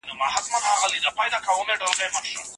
چا د خصوصي سکتور مخه ونیوله؟